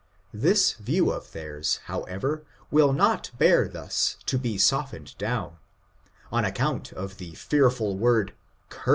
This view of theirs, however, will not bear thus to be softened down, on account of the fear ful word "ci/r.